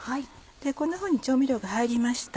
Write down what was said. こんなふうに調味料が入りました。